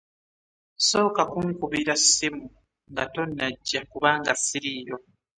Sooka kunkubira ssimu nga tonnajja kubanga ssiriiyo.